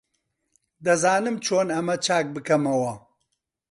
دەزانم چۆن ئەمە چاک بکەمەوە.